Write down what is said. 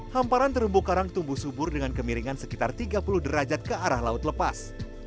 hamparan terumbu karang tumbuh subur dengan kemiringan sekitar tiga puluh derajat ke arah laut lepas